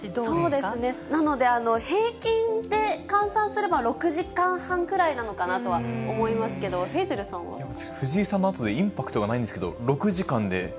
そうですね、なので平均で換算すれば６時間半ぐらいなのかなとは思いますけど、藤井さんのあとでインパクトがないんですけど、６時間で。